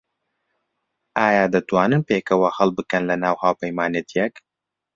ئایا دەتوانن پێکەوە هەڵبکەن لەناو هاوپەیمانێتییەک؟